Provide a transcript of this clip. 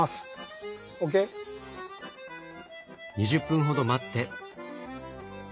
２０分ほど待って。